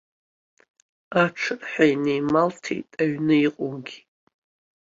Аҽырҳәа инеималҭәеит аҩн иҟоугьы.